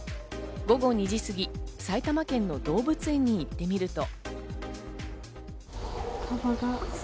午後２時すぎ、埼玉県の動物園に行ってみると。